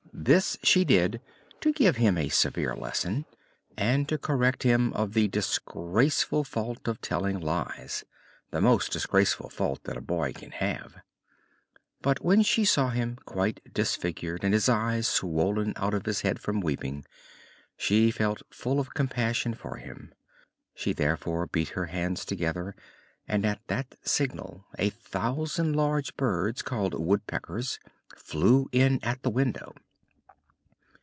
This she did to give him a severe lesson, and to correct him of the disgraceful fault of telling lies the most disgraceful fault that a boy can have. But when she saw him quite disfigured and his eyes swollen out of his head from weeping, she felt full of compassion for him. She therefore beat her hands together and at that signal a thousand large birds called Woodpeckers flew in at the window.